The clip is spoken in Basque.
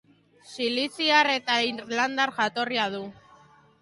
Siziliar eta irlandar jatorria du.